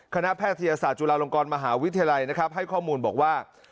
แพทยศาสตร์จุฬาลงกรมหาวิทยาลัยนะครับให้ข้อมูลบอกว่า